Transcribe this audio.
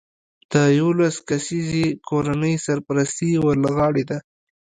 د یولس کسیزې کورنۍ سرپرستي ور له غاړې ده